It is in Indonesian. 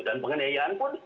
dan penganiayaan pun